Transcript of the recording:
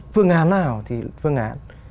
phương án nào thì phương án